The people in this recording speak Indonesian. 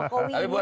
pak jokowi ini kan